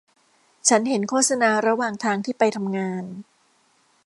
ฉันเห็นโฆษณาระหว่างทางที่ไปทำงาน